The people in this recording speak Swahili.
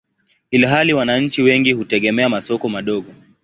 ilhali wananchi wengi hutegemea masoko madogo.